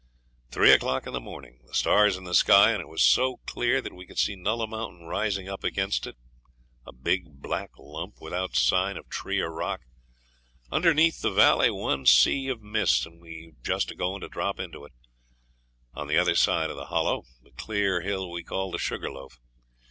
Three o'clock in the morning the stars in the sky, and it so clear that we could see Nulla Mountain rising up against it a big black lump, without sign of tree or rock; underneath the valley, one sea of mist, and we just agoing to drop into it; on the other side of the Hollow, the clear hill we called the Sugarloaf.